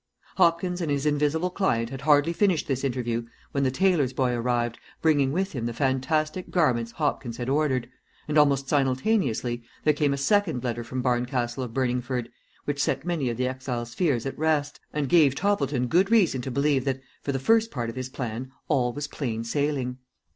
Hopkins and his invisible client had hardly finished this interview when the tailor's boy arrived, bringing with him the fantastic garments Hopkins had ordered, and almost simultaneously there came a second letter from Barncastle of Burningford, which set many of the exile's fears at rest, and gave Toppleton good reason to believe that for the first part of his plan all was plain sailing.